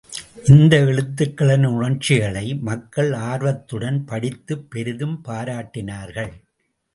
இந்த எழுத்துக்களின் உணர்ச்சிகளை மக்கள் ஆர்வத்துடன் படித்துப் பெரிதும் பாராட்டினார்கள்.